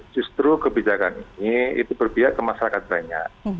justru kebijakan ini itu berpihak ke masyarakat banyak